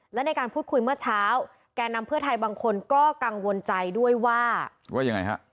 และในการพูดคุยเมื่อเช้าแก่นำเพื่อไทยบางคนก็กังวลใจด้วยว่าว่ายังไงฮะ